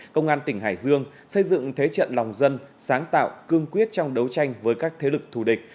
công an tỉnh hải dương xây dựng thế trận lòng dân sáng tạo cương quyết trong đấu tranh với các thế lực thù địch